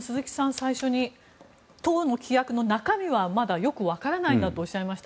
最初に党の規約の中身はまだよく分からないとおっしゃいました。